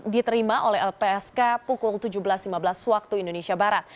diterima oleh lpsk pukul tujuh belas lima belas waktu indonesia barat